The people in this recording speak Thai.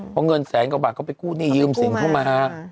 เพราะเงินแสนกว่าบาทเขาไปกู้หนี้ยืมสินเข้ามา